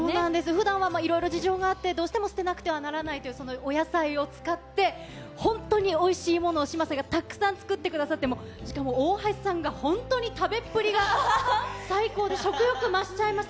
ふだんはいろいろ事情があって、どうしても捨てなくてはならないというお野菜を使って、本当においしいものを志麻さんがたくさん作ってくださって、しかも大橋さんが本当に食べっぷりが最高で、食欲増しちゃいました。